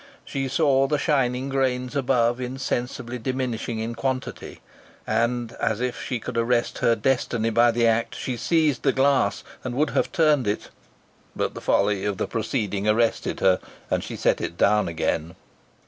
She saw the shining grains above insensibly diminishing in quantity, and, as if she could arrest her destiny by the act, she seized the glass, and would have turned it, but the folly of the proceeding arrested her, and she set it down again.